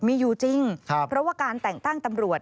มีอยู่จริงเพราะว่าการแต่งตั้งตำรวจ